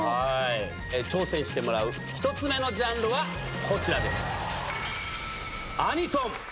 挑戦してもらう１つ目のジャンルはこちらです。